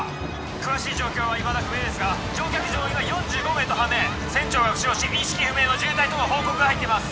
詳しい状況はいまだ不明ですが乗客乗員は４５名と判明船長が負傷し意識不明の重体との報告が入っています